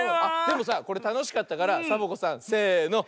でもさこれたのしかったからサボ子さんせの。